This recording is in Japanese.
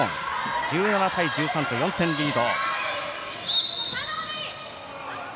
１７対１３と４点リード。